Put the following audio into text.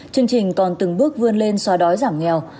chương trình còn từng bước vươn lên xóa đói giảm nghèo